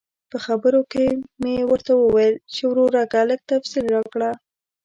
په خبرو کې مې ورته وویل چې ورورکه لږ تفصیل راکړه.